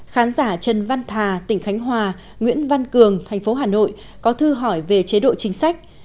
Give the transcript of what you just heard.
khán giả trần văn thà tỉnh khánh hòa nguyễn văn cường thành phố hà nội có thư hỏi về chế độ chính sách